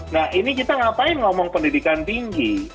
nah ini kita ngapain ngomong pendidikan tinggi